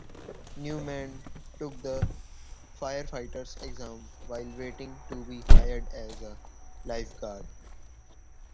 Newman took the firefighter's exam while waiting to be hired as a lifeguard.